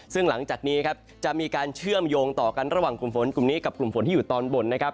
ซึ่งหลังจากนี้ครับจะมีการเชื่อมโยงต่อกันระหว่างกลุ่มฝนกลุ่มนี้กับกลุ่มฝนที่อยู่ตอนบนนะครับ